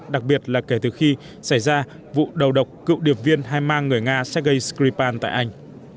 đặc biệt là kể từ khi xảy ra vụ đầu độc cựu điệp viên hai mang người nga sergei skripal tại anh